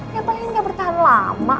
ya paling engga bertahan lama